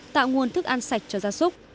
tạo nguồn thức ăn sạch cho gia súc